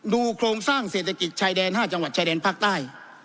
โครงสร้างเศรษฐกิจชายแดน๕จังหวัดชายแดนภาคใต้